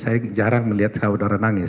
saya jarang melihat saya saudara nangis